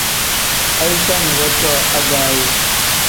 Aicha nuvo cooo agaayo.